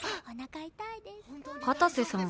片瀬さん